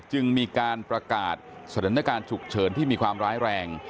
จึงมีการประกาศสถานการณ์ฉุกเฉินที่มีความร้ายแรง